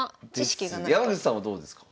山口さんはどうですか？